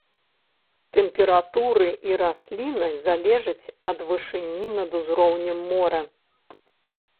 Тэмпературы і расліннасць залежаць ад вышыні над узроўнем мора.